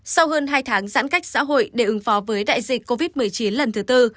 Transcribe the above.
sau hơn hai tháng giãn cách xã hội để ứng phó với đại dịch covid một mươi chín lần thứ tư